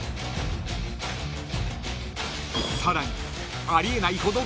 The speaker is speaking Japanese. ［さらにあり得ないほど］